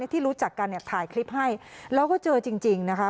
ที่รู้จักกันเนี่ยถ่ายคลิปให้แล้วก็เจอจริงนะคะ